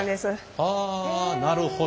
はあなるほど。